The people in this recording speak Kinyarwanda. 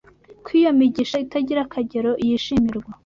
ko iyo migisha itagira akagero yishimirwa